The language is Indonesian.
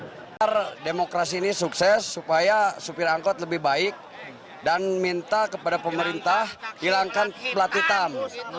pemerintah demokrasi ini sukses supaya sopir angkut lebih baik dan minta kepada pemerintah hilangkan plat hitam